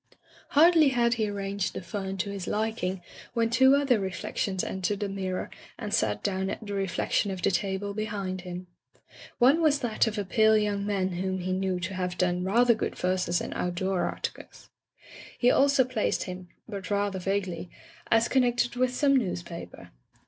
Hardly had he arranged the fern to his lik ing when two other reflections entered the mirror and sat down at the reflection of the table behind him. One was that of a pale young man whom he knew to have done rather good verses and out door articles. He also placed him — ^but rather vaguely — as [ 352 ] Digitized by LjOOQ IC By the Sawyer Method connected with some newspaper.